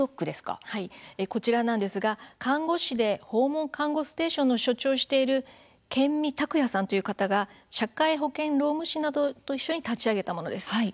こちらなんですが看護師で訪問看護ステーションの所長をしている賢見卓也さんという方が社会保険労務士などと一緒に立ち上げたものです。